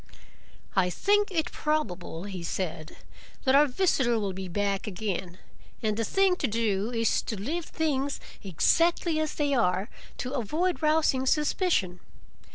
"I think it probable," he said, "that our visitor will be back again, and the thing to do is to leave things exactly as they are, to avoid rousing suspicion.